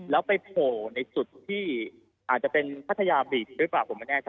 แล้วไปโผล่ในจุดที่อาจจะเป็นพัทยาบีดหรือเปล่าผมไม่แน่ใจ